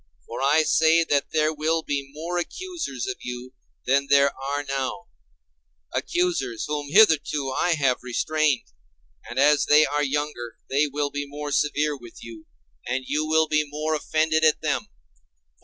For I say that there will be more accusers of you than there are now; accusers whom hitherto I have restrained: and as they are younger they will be more severe with you, and you will be more offended at them.